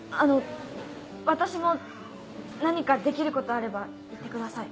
私も何かできることあれば言ってください。